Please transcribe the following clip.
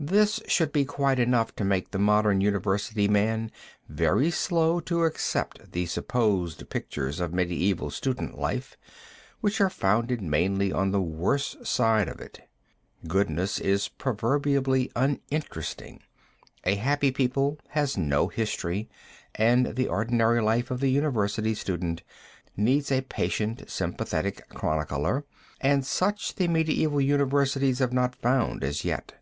This should be quite enough to make the modern university man very slow to accept the supposed pictures of medieval student life, which are founded mainly on the worse side of it. Goodness is proverbially uninteresting, a happy people has no history and the ordinary life of the university student needs a patient sympathetic chronicler; and such the medieval universities have not found as yet.